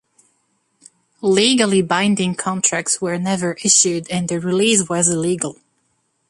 Legally binding contracts were never issued, and the release was illegal.